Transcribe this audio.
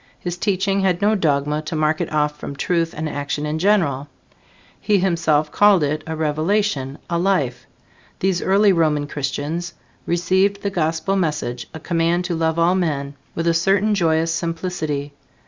His teaching had no dogma to mark it off from truth and action in general. He himself called it a revelation a life. These early Roman Christians received the Gospel message, a command to love all men, with a certain joyous simplicity.